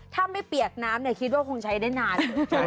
ถ้าไม่เปียกน้ำคิดว่าคงใช้ได้นาน